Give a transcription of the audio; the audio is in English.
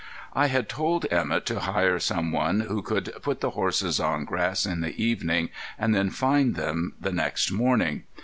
I had told Emett to hire some one who could put the horses on grass in the evening and then find them the next morning.